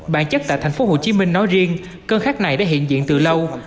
bản chất tại thành phố hồ chí minh nói riêng cơn khát này đã hiện diện từ lâu